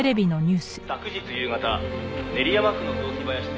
「昨日夕方練山区の雑木林で」